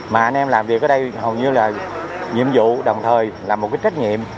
mà anh em làm việc ở đây hầu như là nhiệm vụ đồng thời là một cái trách nhiệm